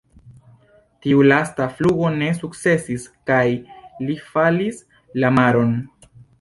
Tiu lasta flugo ne sukcesis kaj li falis la maron.